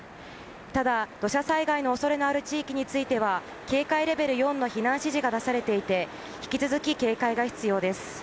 ただ、土砂災害の恐れがある地域については警戒レベル４の避難指示が出されていて引き続き警戒が必要です。